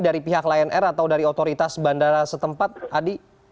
dari pihak lion air atau dari otoritas bandara setempat adi